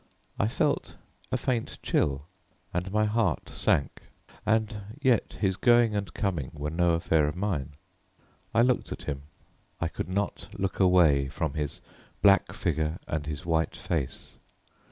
I felt a faint chill, and my heart sank; and yet, his going and coming were no affair of mine. I looked at him: I could not look away from his black figure and his white face.